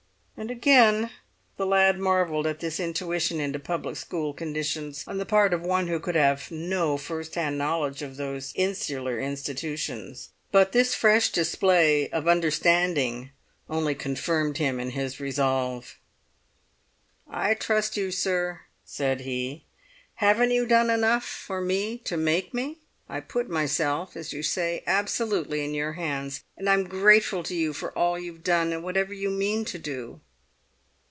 And again the lad marvelled at this intuition into public school conditions on the part of one who could have no first hand knowledge of those insular institutions. But this fresh display of understanding only confirmed him in his resolve. "I trust you, sir," said he; "haven't you done enough for me to make me? I put myself, as you say, absolutely in your hands; and I'm grateful to you for all you've done and whatever you mean to do!"